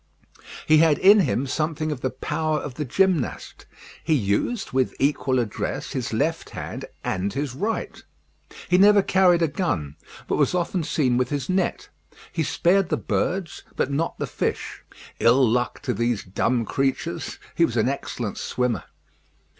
He had in him something of the power of the gymnast. He used, with equal address, his left hand and his right. He never carried a gun; but was often seen with his net. He spared the birds, but not the fish. Ill luck to these dumb creatures! He was an excellent swimmer.